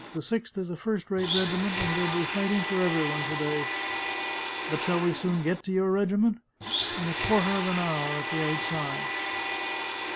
The Sixth is a first rate regiment, and there'll be fighting for every one to day." " But shall we soon get to your regiment ?"" In a quarter of an hour, at the outside."